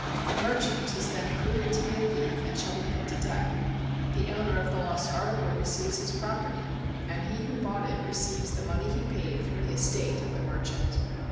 The merchant is then proven to be a thief and shall be put to death. The owner of the lost article receives his property, and he who bought it receives the money he paid from the estate of the merchant.